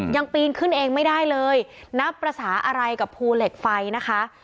ปีนขึ้นเองไม่ได้เลยนับภาษาอะไรกับภูเหล็กไฟนะคะ